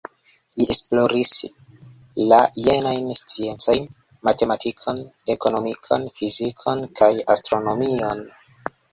Li esploris la jenajn sciencojn: matematikon, ekonomikon, fizikon kaj astronomion.